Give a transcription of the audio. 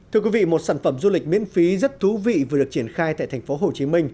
thưa quý vị một sản phẩm du lịch miễn phí rất thú vị vừa được triển khai tại tp hcm